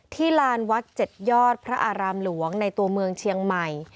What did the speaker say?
ลานวัด๗ยอดพระอารามหลวงในตัวเมืองเชียงใหม่